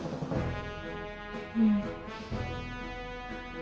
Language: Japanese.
うん。